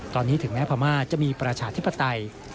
ตอนนี้ถึงแม้พม่าจะมีประชาธิปไตย